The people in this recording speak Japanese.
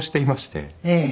ええ。